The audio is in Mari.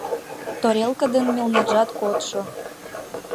Торелка ден мелнажат кодшо.